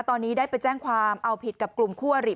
ตอนนี้ได้ไปแจ้งความเอาผิดกับกลุ่มคู่อริ